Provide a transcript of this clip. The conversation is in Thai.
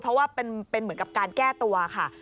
เพราะว่าเป็นเหมือนกับการแก้ตัวค่ะ